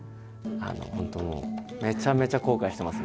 本当もうめちゃめちゃ後悔してます。